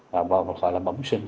và một loại là bóng sinh